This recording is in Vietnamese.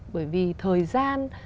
thì thời gian